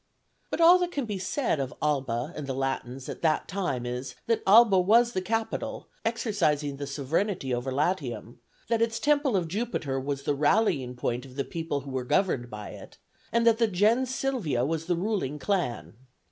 But all that can be said of Alba and the Latins at that time is, that Alba was the capital, exercising the sovereignty over Latium; that its temple of Jupiter was the rallying point of the people who were governed by it; and that the gens Silvia was the ruling clan.